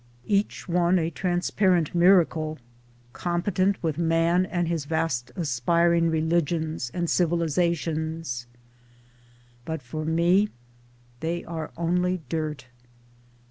Each one a transparent miracle, competent with man and his vast aspiring religions and civilisations — but for me they are only dirt.